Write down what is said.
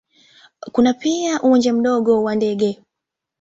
Kuna pia uwanja mdogo wa ndege.